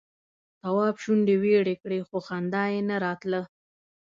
تواب شونډې ويړې کړې خو خندا یې نه راتله.